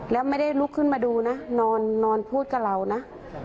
แล้วไม่ได้ลุกขึ้นมาดูนะนอนพูดกับเรานะ